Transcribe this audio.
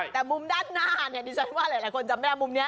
แต่มุมด้านหน้าเนี่ยดิฉันว่าหลายคนจำไม่ได้มุมนี้